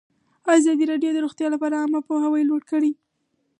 ازادي راډیو د روغتیا لپاره عامه پوهاوي لوړ کړی.